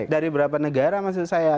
dari berapa negara maksud saya